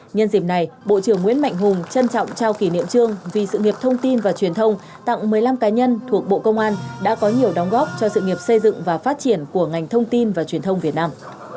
nhân dịp này bộ trưởng nguyễn mạnh hùng trân trọng trao kỷ niệm trương vì sự nghiệp thông tin và truyền thông tặng một mươi năm cá nhân thuộc bộ công an đã có nhiều đóng góp cho sự nghiệp xây dựng và phát triển của ngành thông tin và truyền thông việt nam